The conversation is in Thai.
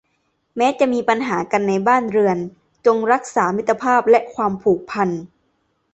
แม้จะมีปัญหากันในบ้านเรือนจงรักษามิตรภาพและความผูกพัน